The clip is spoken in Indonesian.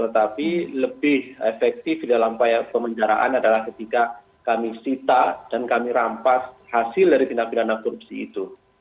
tetapi lebih efektif di dalam upaya pemenjaraan adalah ketika kami sita dan kami rampas hasil dari tindak pidana korupsi itu